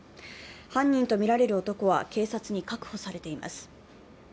犯人とみられる男は警察に確保されています。